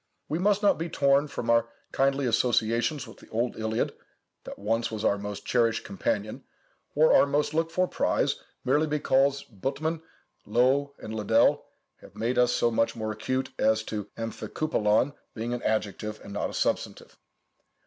We must not be torn from our kindly associations with the old Iliad, that once was our most cherished companion, or our most looked for prize, merely because Buttmann, Loewe, and Liddell have made us so much more accurate as to ἀμφικύπελλον being an adjective, and not a substantive.